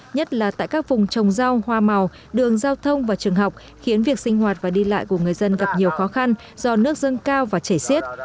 nhất là tại các vùng trồng rau hoa màu đường giao thông và trường học khiến việc sinh hoạt và đi lại của người dân gặp nhiều khó khăn do nước dâng cao và chảy xiết